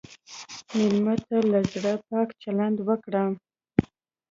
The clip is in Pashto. مېلمه ته له زړه پاک چلند وکړه.